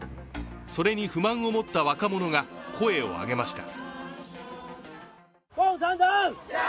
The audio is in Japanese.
それに不満を持った若者が声を上げました。